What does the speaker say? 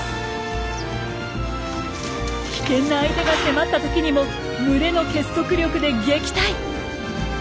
危険な相手が迫った時にも群れの結束力で撃退！